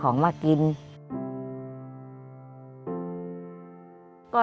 ก็ลำบากละบนก็ต้องไปหาของเก่าที่เก่า